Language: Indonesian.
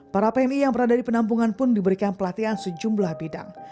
para pmi yang berada di penampungan pun diberikan pelatihan sejumlah bidang